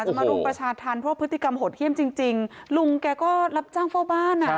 จะมาลุงประชาทันเพราะว่าพฤติกรรมหดเข้มจริงจริงลุงแกก็รับจ้างเฝ้าบ้านอ่ะ